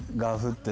って